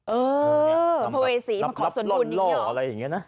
เออพระเวศรีมาขอส่วนบุญอย่างเงียบ